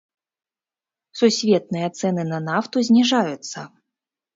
Сусветныя цэны на нафту зніжаюцца.